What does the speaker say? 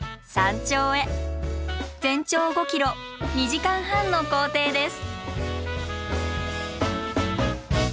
全長５ｋｍ２時間半の行程です。